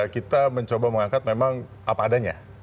kita mencoba mengangkat memang apa adanya